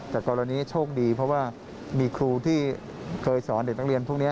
แต่กรณีโชคดีเพราะว่ามีครูที่เคยสอนเด็กนักเรียนพวกนี้